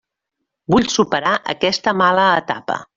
Vull superar aquesta mala etapa.